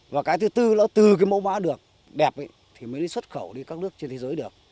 và cái thứ tư nó từ cái mẫu mã được đẹp ấy thì mới đi xuất khẩu đi các nước trên thế giới được